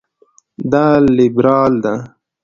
دا لېبرال ده.